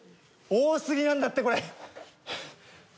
多過ぎなんだってこれ。